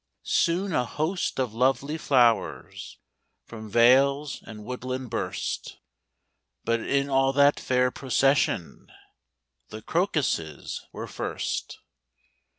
Soon a host of lovely flowers From vales and woodland burst; But in all that fair procession The crocuses were first.